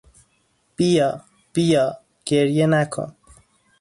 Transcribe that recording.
بیا، بیا، گریه نکن!